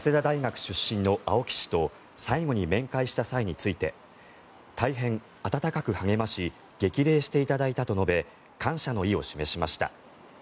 岸田総理は同じ早稲田大学出身の青木氏と最後に面会した際について大変温かく励まし激励していただいたと述べ感謝の意を示しました。